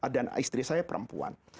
dan istri saya perempuan